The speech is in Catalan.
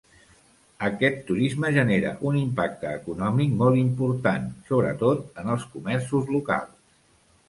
Aquest turisme genera un impacte econòmic molt important, sobretot en els comerços locals.